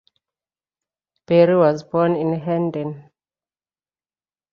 Berry was born in Hendon.